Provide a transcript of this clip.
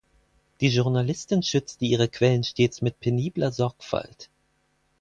Die Journalistin schützte ihre Quellen stets mit penibler Sorgfalt.